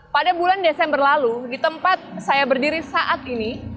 pada bulan desember lalu di tempat saya berdiri saat ini